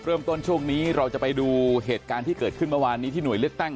ช่วงนี้เราจะไปดูเหตุการณ์ที่เกิดขึ้นเมื่อวานนี้ที่หน่วยเลือกตั้ง